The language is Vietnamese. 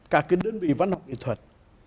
cả cái đơn vị văn học nghệ thuật